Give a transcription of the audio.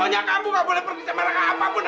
pokoknya kamu gak boleh pergi sama raka apapun rasanya